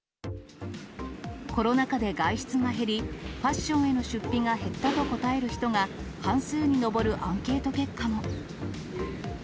コロナ禍で外出が減り、ファッションへの出費が減ったと答える人が半数に上るアンケート結果も。